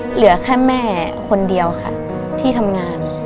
เหลือแค่แม่คนเดียวค่ะที่ทำงาน